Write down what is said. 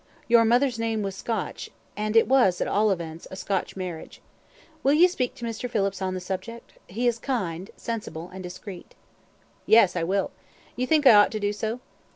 Your mother's name was Scotch; and it was, at all events, a Scotch marriage. Will you speak to Mr. Phillips on this subject. He is kind, sensible, and discreet." "Yes, I will. You think I ought to do so?"